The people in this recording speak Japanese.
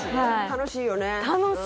楽しいよね